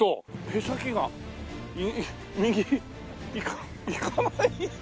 へさきが右いかないよ。